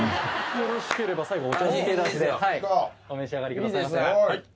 よろしければ最後お茶漬けだしでお召し上がりください。